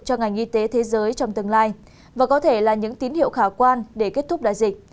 cho ngành y tế thế giới trong tương lai và có thể là những tín hiệu khả quan để kết thúc đại dịch